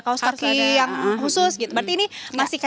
kaos kaki yang khusus berarti nih masih